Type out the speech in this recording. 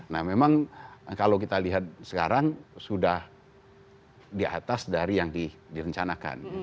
nah memang kalau kita lihat sekarang sudah di atas dari yang direncanakan